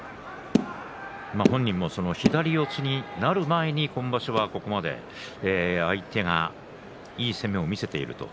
本人も左四つになる前に今場所はここまで相手がいい攻めを見せている。